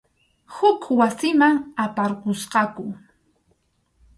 Huk wasiman aparqusqaku.